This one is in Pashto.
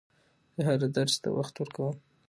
زه هر درس ته وخت ورکووم.